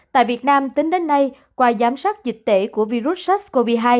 tại việt nam tính đến nay qua giám sát dịch tễ của virus sars cov hai